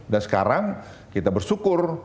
dan sekarang kita bersyukur